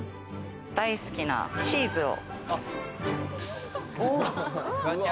大好きなチーズを。